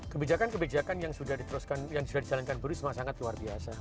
kebijakan kebijakan yang sudah dijalankan bu risma sangat luar biasa